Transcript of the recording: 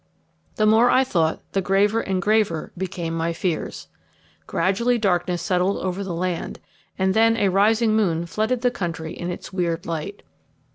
The more I thought, the graver and graver became my fears. Gradually darkness settled over the land, and then a rising moon flooded the country in its weird light.